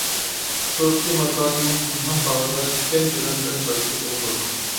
خۇسۇسىي ماكانىمنىڭ پىنھان باغرىدا تىكەن بىلەن بەس تالىشىپ ئولتۇردۇم.